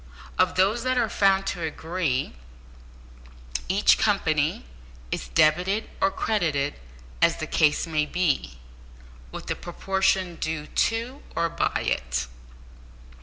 Of those that are found to agree, each company is debited or credited, as the case may be, with the proportion due to or by it.